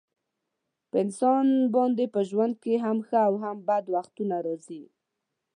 په انسان باندې په ژوند کې هم ښه او هم بد وختونه راځي.